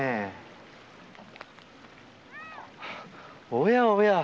おやおや。